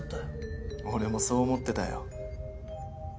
俺もそう思ってたよ